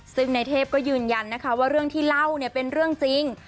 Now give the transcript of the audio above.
ซึ่งในเทพก็ยืนยันนะคะว่าเรื่องที่เล่าเนี่ยเป็นเรื่องจริง